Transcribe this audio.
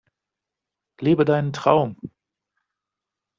Lebe deinen Traum!